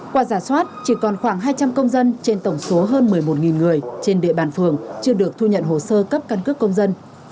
qua giả soát chỉ còn khoảng hai trăm linh công dân trên tổng số hơn một mươi một người trên địa bàn phường chưa được thu nhận hồ sơ cấp căn cước công dân